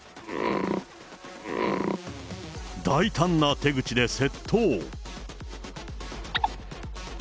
大胆な手口で窃盗。